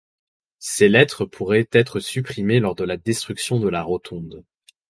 Ces lettres pourraient être supprimées lors de la destruction de la rotonde.